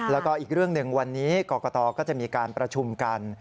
แล้วก็อีกเรื่องหนึ่งวันนี้กรกตก็จะมีการประชุมกัน